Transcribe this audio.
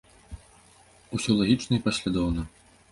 Усё лагічна і паслядоўна.